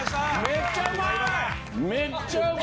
めっちゃうまい！